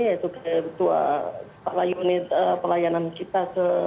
yaitu ketua kepala unit pelayanan kita